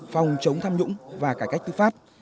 phòng chống tham nhũng và cải cách tư pháp